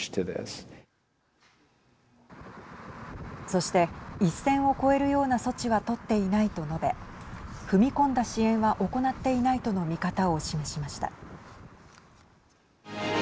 そして一線を越えるような措置は取っていないと述べ踏み込んだ支援は行っていないとの見方を示しました。